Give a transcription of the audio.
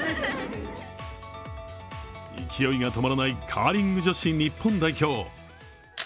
勢いが止まらないカーリング女子日本代表。